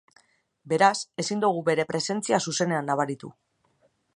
Beraz ezin dugu bere presentzia zuzenean nabaritu.